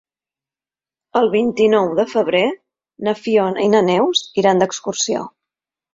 El vint-i-nou de febrer na Fiona i na Neus iran d'excursió.